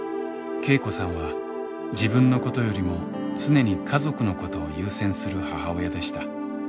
恵子さんは自分のことよりも常に家族のことを優先する母親でした。